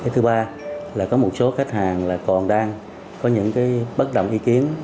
thứ ba là có một số khách hàng còn đang có những bất động ý kiến